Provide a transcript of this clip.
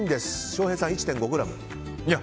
翔平さん、１．５ｇ？